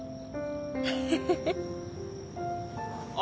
フフフ。